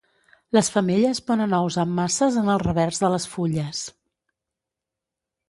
Les femelles ponen ous en masses en el revers de les fulles.